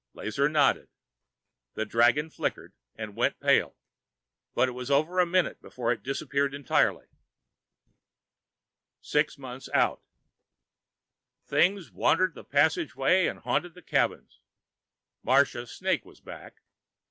Lazar nodded. The dragon flickered and went pale, but it was over a minute before it disappeared entirely. Six months out: Things wandered the passageways and haunted the cabins. Marsha's snake was back.